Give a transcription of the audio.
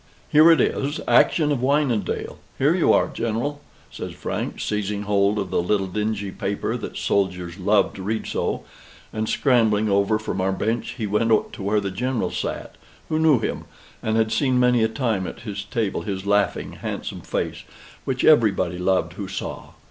"Here it is Action of Wynendael here you are, General," says Frank, seizing hold of the little dingy paper that soldiers love to read so; and, scrambling over from our bench, he went to where the General sat, who knew him, and had seen many a time at his table his laughing, handsome face, which everybody loved who saw.